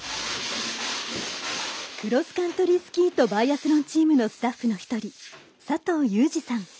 クロスカントリースキーとバイアスロンチームのスタッフの１人佐藤勇治さん。